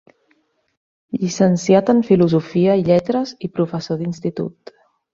Llicenciat en Filosofia i Lletres i Professor d'Institut.